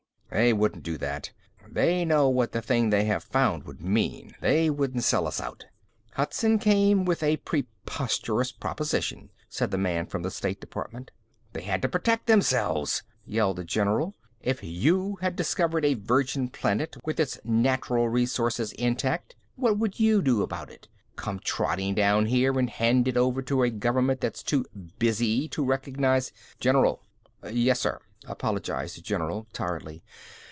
"They wouldn't do that. They know what the thing they have found would mean. They wouldn't sell us out." "Hudson came with a preposterous proposition," said the man from the state department. "They had to protect themselves!" yelled the general. "If you had discovered a virgin planet with its natural resources intact, what would you do about it? Come trotting down here and hand it over to a government that's too 'busy' to recognize " "General!" "Yes, sir," apologized the general tiredly.